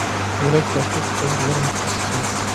يۈرەك تاشقى كېسەللىكلەر مۇتەخەسسىسى